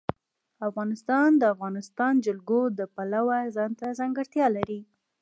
افغانستان د د افغانستان جلکو د پلوه ځانته ځانګړتیا لري.